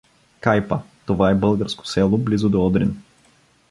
Кайпа — това е българско село близо до Одрин.